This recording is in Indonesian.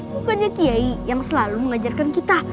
bukannya kiai yang selalu mengajarkan kita